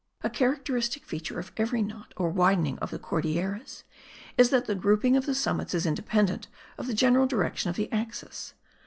A characteristic feature of every knot, or widening of the Cordilleras, is that the grouping of the summits is independent of the general direction of the axis.